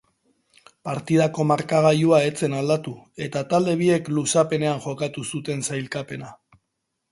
Partidako markagailua ez zen aldatu eta talde biek luzapenean jokatu zuten sailkapena.